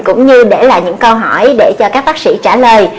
cũng như để là những câu hỏi để cho các bác sĩ trả lời